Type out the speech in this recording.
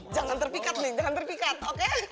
jangan terpikat nih jangan terpikat oke